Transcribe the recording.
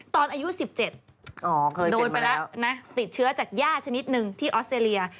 ตอนอายุ๑๗เคยโดนไปแล้วนะติดเชื้อจากย่าชนิดหนึ่งที่ออสเตรเลีย